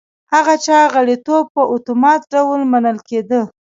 هغه چا غړیتوب په اتومات ډول منل کېده